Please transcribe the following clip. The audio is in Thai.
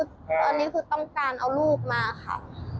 ตอนนี้คือต้องการเอาลูกมาค่ะ